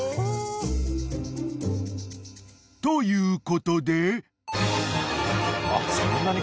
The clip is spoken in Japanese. ［ということで］